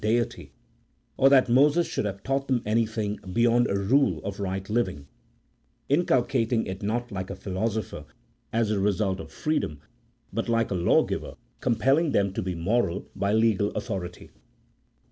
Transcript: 39 Deity, or that Moses should have taught them anything "beyond a rule of right living; inculcating it not like a philosopher, as the result of freedom, but like a lawgiver compelling them to be moral by legal authority.